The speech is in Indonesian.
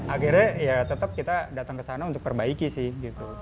akhirnya ya tetap kita datang ke sana untuk perbaiki sih gitu